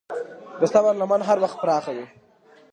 د صبر لمن تل پراخه وي.